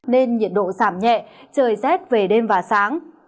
nên nhiệt độ giảm nhẹ trời rét về đêm và sáng